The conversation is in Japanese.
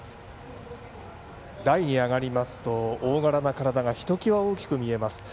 台に上がりますと大柄な体がひときわ大きく見えます。